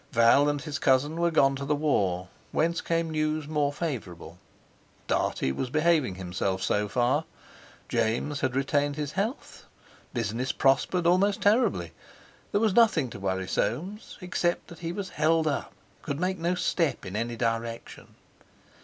Val and his cousin were gone to the war, whence came news more favourable; Dartie was behaving himself so far; James had retained his health; business prospered almost terribly—there was nothing to worry Soames except that he was "held up," could make no step in any direction.